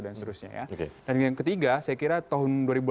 dan yang ketiga saya kira tahun dua ribu delapan belas